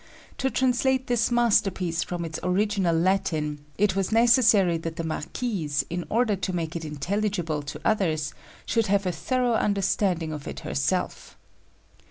To translate this masterpiece from its original Latin, it was necessary that the Marquise, in order to make it intelligible to others, should have a thorough understanding of it herself.